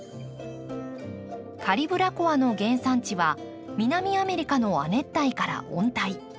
カリブラコアの原産地は南アメリカの亜熱帯から温帯。